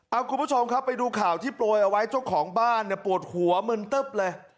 เอาคุณผู้ชมครับไปดูข่าวที่โปรยเอาไว้เจ้าของบ้านเนี่ยปวดหัวมึนตึ๊บเลย